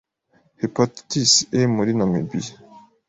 Hepatitis E muri Namibia